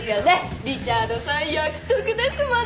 リチャードさん役得ですもんね。